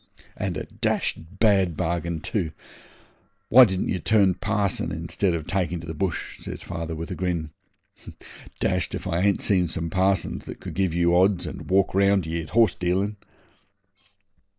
'And a dashed bad bargain too. Why didn't ye turn parson instead of taking to the bush?' says father, with a grin. 'Dashed if I ain't seen some parsons that could give you odds and walk round ye at horse dealin'.'